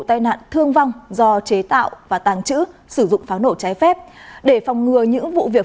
tai nạn thương vong do chế tạo và tàng trữ sử dụng pháo nổ trái phép để phòng ngừa những vụ việc